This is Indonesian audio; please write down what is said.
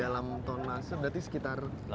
dalam ton nasi berarti sekitar